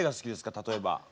例えば。